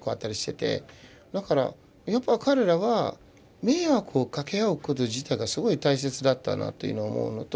だからやっぱ彼らは迷惑をかけ合うこと自体がすごい大切だったなっていうのを思うのと。